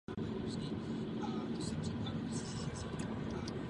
V minulosti měl problémy s alkoholem.